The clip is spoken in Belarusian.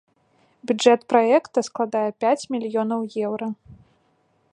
Бюджэт праекта складае пяць мільёнаў еўра.